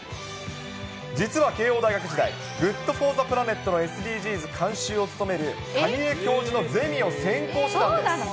実は慶応大学時代、ＧｏｏｄＦｏｒｔｈｅＰｌａｎｅｔの監修を務める蟹江教授のゼミを選考してたんです。